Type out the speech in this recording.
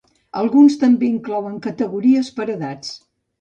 Alguns també inclouen categories per edats.